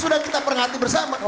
sudah kita perhati bersama